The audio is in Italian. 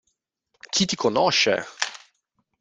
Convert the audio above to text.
Chi ti conosce?